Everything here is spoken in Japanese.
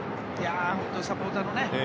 サポーターもね。